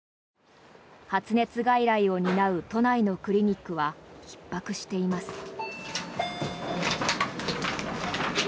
発熱外来を担う都内のクリニックはひっ迫しています。